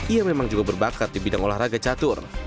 ia memang juga berbakat di bidang olahraga catur